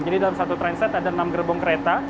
jadi dalam satu train set ada enam gerbong kereta